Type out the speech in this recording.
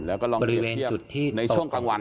แล้วก็ลองเทียบบริเวณการเทียบในช่วงกลางวัน